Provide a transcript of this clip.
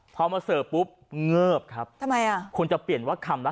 พอมาเซอร์ปุ๊บเห็ดครับทำไมครึ่งเปลี่ยนว่าค่ำละ